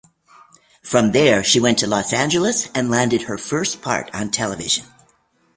From there she went to Los Angeles and landed her first part on television.